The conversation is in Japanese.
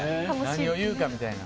何を言うかみたいな。